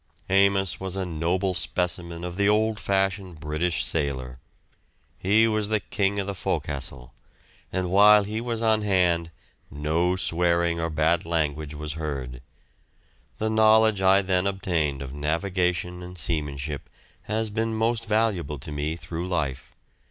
Amos was a noble specimen of the old fashioned British sailor. He was the king of the fo'castle, and while he was on hand no swearing or bad language was heard. The knowledge I then obtained of navigation and seamanship has been most valuable to me through life.